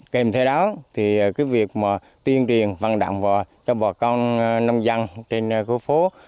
kèm theo đó việc tiên triền văn động cho bà con nông dân trên khu phố